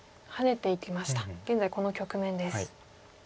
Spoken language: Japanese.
現在この局面です。